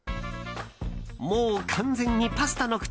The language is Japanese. もう完全にパスタの口。